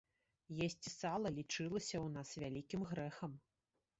Есці сала лічылася ў нас вялікім грэхам.